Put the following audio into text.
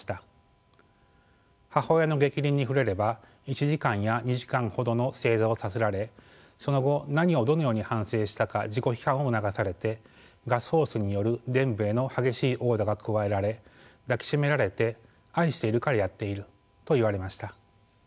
母親の逆鱗に触れれば１時間や２時間ほどの正座をさせられその後何をどのように反省したか自己批判を促されてガスホースによるでん部への激しい殴打が加えられ抱き締められて「愛しているからやっている」と言われました。